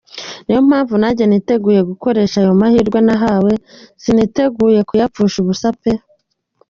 Niyo mpamvu nanjye niteguye gukoresha ayo mahirwe nahawe, siniteguye kuyapfusha ubusa pe !”.